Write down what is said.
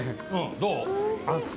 どう？